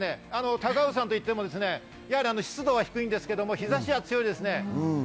高尾山といっても湿度は低いんですけど日差しが強いです。